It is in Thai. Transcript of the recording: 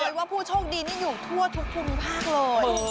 ว่าผู้โชคดีนี่อยู่ทั่วทุกภูมิภาคเลย